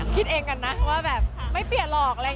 คิดเองกันนะว่าแบบไม่เปลี่ยนหรอก